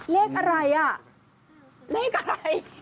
เลขอะไรอ่ะ